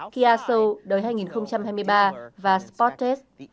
kia soul đầy hai nghìn hai mươi ba và sportage